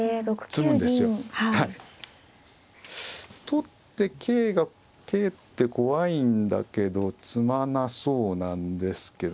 取って桂が桂って怖いんだけど詰まなそうなんですけどね。